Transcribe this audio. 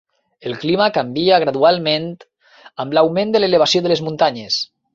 El clima canvia gradualment amb l'augment de l'elevació de les muntanyes.